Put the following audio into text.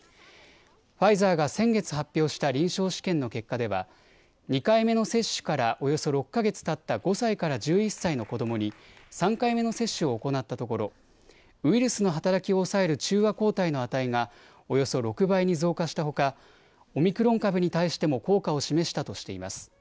ファイザーが先月、発表した臨床試験の結果では２回目の接種からおよそ６か月たった５歳から１１歳の子どもに３回目の接種を行ったところウイルスの働きを抑える中和抗体の値がおよそ６倍に増加したほかオミクロン株に対しても効果を示したとしています。